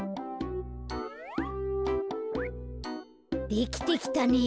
できてきたね。